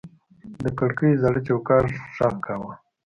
د کړکۍ زاړه چوکاټ غږ کاوه.